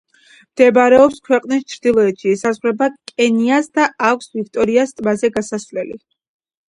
მდებარეობს ქვეყნის ჩრდილოეთში, ესაზღვრება კენიას და აქვს ვიქტორიას ტბაზე გასასვლელი.